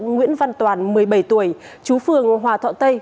đối tượng nguyễn văn toàn một mươi bảy tuổi chú phường hòa thọ tây